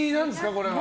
これは。